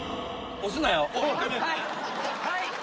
押すなよ。